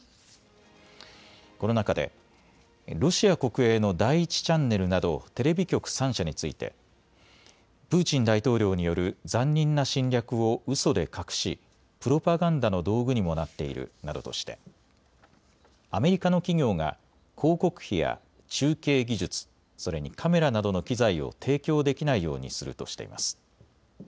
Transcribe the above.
この中でロシア国営の第１チャンネルなどテレビ局３社についてプーチン大統領による残忍な侵略をうそで隠しプロパガンダの道具にもなっているなどとしてアメリカの企業が広告費や中継技術、それにカメラなどの機材を提供できないようにするとしています。